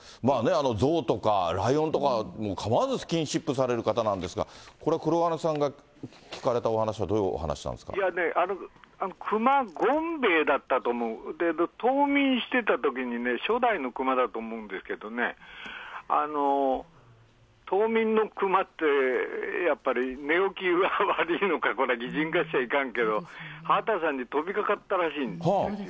象とかライオンとか、構わずスキンシップされる方なんですが、これ、黒鉄さんが聞かれいやね、熊、ごんべえだったと思う、冬眠してたときに、初代の熊だと思うんですけどね、冬眠の熊って、やっぱり寝起きが悪いのか、これ、擬人化しちゃいかんけど、畑さんに飛びかかったらしいんだよ。